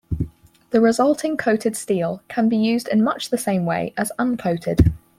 The resulting coated steel can be used in much the same way as uncoated.